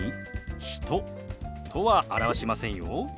「人」とは表しませんよ。